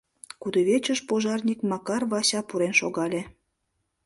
Кудывечыш пожарник Макар Вася пурен шогале.